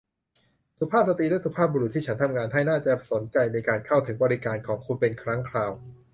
สุภาพสตรีและสุภาพบุรุษที่ฉันทำงานให้ น่าจะสนใจในการเข้าถึงบริการของคุณเป็นครั้งคราว